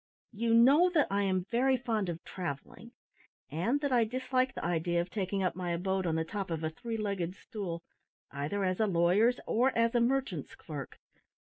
You know that I am very fond of travelling, and that I dislike the idea of taking up my abode on the top of a three legged stool, either as a lawyer's or a merchant's clerk.